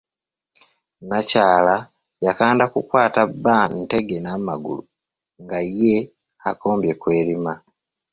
Nakyala yakanda kukwata bba ntege n'amagulu nga ye akombye ku erima.